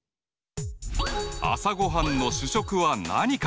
朝ごはんの主食は何か？